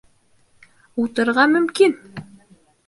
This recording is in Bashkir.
Ултырырға мөмкин!